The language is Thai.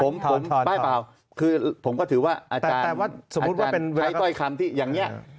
ไม่เปล่าคือผมก็ถือว่าอาจารย์ใช้ต้อยคำที่อย่างนี้